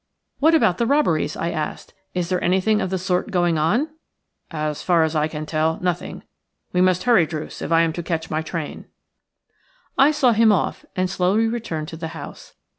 "What about the robberies?" I asked. "Is there anything of the sort going on?" "As far as I can tell, nothing. We must hurry, Druce, if I am to catch my train." I saw him off and returned slowly to the house.